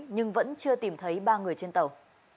nhưng vẫn chưa tìm thấy ba người trên tàu